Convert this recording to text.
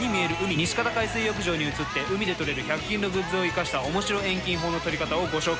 西方海水浴場に移って海で撮れる１００均のグッズを活かしたおもしろ遠近法の撮り方をご紹介！